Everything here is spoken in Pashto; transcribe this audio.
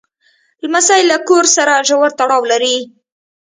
لمسی له کور سره ژور تړاو لري.